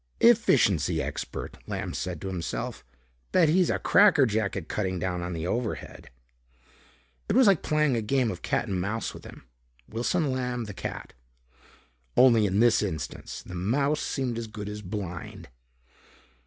"Efficiency expert," Lamb said to himself. "Bet he's a cracker jack at cutting down on the overhead." It was like playing a game of cat and mouse with him, Wilson Lamb, the cat. Only in this instance, the mouse seemed as good as blind.